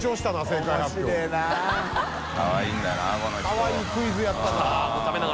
かわいいクイズやったな。